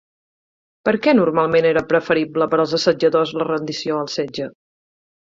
Per què normalment era preferible per als assetjadors la rendició al setge?